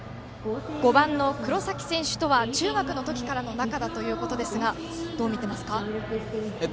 ５番の黒崎選手とは中学の時からの仲だということですがどう見ていますか？